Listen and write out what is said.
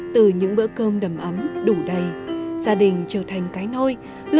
từ những bữa cơm đầm ấm đủ đầy gia đình trở thành cái nôi